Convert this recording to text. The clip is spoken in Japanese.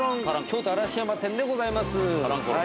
京都嵐山店でございます。